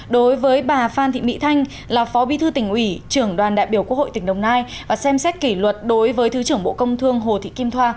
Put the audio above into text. đối với bà phan thị mỹ thanh là phó bí thư tỉnh ủy trưởng đoàn đại biểu quốc hội tỉnh đồng nai và xem xét kỷ luật đối với thứ trưởng bộ công thương hồ thị kim thoa